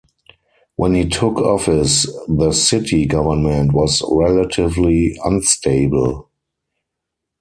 When he took office, the city government was relatively unstable.